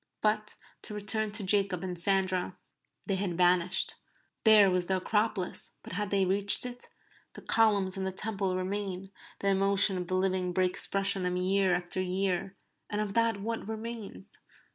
But to return to Jacob and Sandra. They had vanished. There was the Acropolis; but had they reached it? The columns and the Temple remain; the emotion of the living breaks fresh on them year after year; and of that what remains?